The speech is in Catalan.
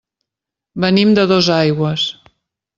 Venim de Dosaigües.